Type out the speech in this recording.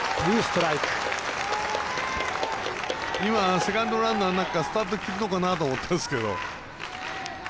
セカンドランナースタート切るかなと思ったんですけど。